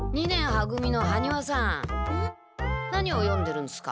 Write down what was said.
何を読んでるんすか？